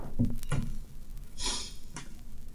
In all, there are five deposits of demantoid in this area.